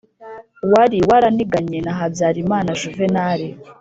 wari waraniganye na habyarimana juvenal